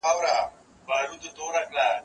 زه چای نه څښم؟